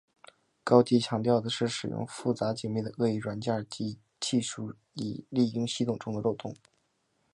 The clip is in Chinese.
高级强调的是使用复杂精密的恶意软件及技术以利用系统中的漏洞。